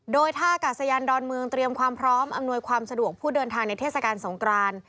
โดยท่ากาศยานดอนเมืองเตรียมความพร้อมอำนวยความสะดวกผู้เดินทางในเทศกาลสงคราน